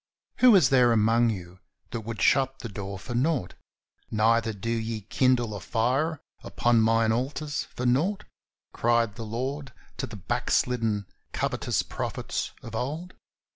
"Who is there among you that would shut the door for nought? neither do ye kindle a fire upon mine altars for nought," cried the Lord to the backslidden, covetous prophets of old.